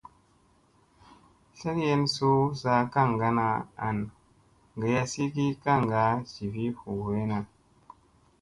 Tlekyen suu zaa kaŋgana an gayasi ki kaŋga jivi hu veena.